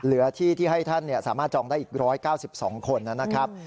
เหลือที่ที่ให้ท่านสามารถจองได้อีก๑๙๒คนนะครับ